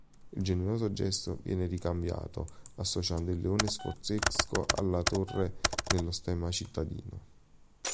Il generoso gesto viene ricambiato associando il leone sforzesco alla torre nello stemma cittadino.